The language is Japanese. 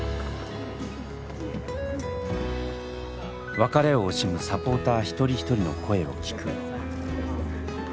別れを惜しむサポーター一人一人の声を聞く。